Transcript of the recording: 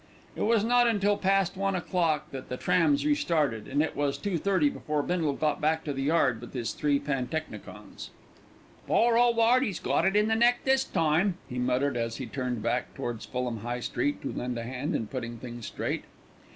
It was not until past one o'clock that the trams restarted, and it was 2.30 before Bindle got back to the yard with his three pantechnicons. "Poor ole 'Earty's got it in the neck this time," he muttered as he turned back towards Fulham High Street to lend a hand in putting things straight.